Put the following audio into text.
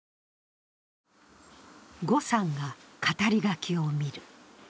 呉さんが語り書きを見る。